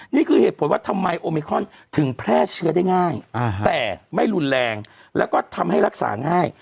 นี่คือเหตุผลว่าทำไมโอมิคอนถึงแพร่เชื้อได้ง่ายแต่ไม่รุนแรงแล้วก็ทำให้รักษาง่าย